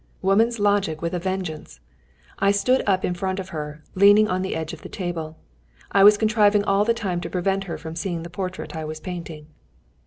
Woman's logic with a vengeance! I stood up in front of her, leaning on the edge of the table. I was contriving all the time to prevent her from seeing the portrait I was painting.